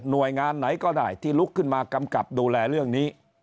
โดยงานไหนก็ได้ที่ลุกขึ้นมากำกับดูแลเรื่องนี้